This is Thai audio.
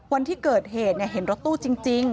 วันที่เกิดเหตุเห็นรถตู้จริง